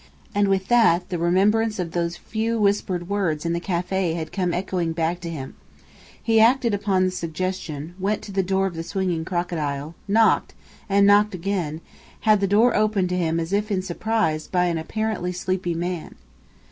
And with that, the remembrance of those few whispered words in the café had come echoing back to his brain. He acted upon the suggestion; went to the door of the swinging crocodile, knocked, and knocked again; had the door opened to him as if in surprise by an apparently sleepy man.